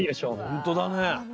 ほんとだね。